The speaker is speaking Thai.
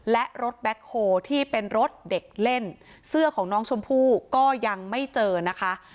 และรถแบ็คโฮที่เป็นรถเด็กเล่นเสื้อของน้องชมพู่ก็ยังไม่เจอนะคะ